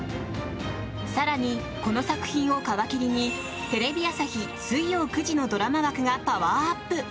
更に、この作品を皮切りにテレビ朝日、水曜９時ドラマ枠がパワーアップ。